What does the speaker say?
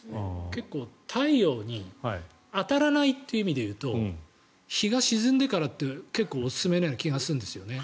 結構、太陽に当たらないという意味で言うと日が沈んでからって結構おすすめのような気がするんですよね。